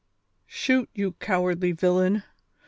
"Shoot, you cowardly villain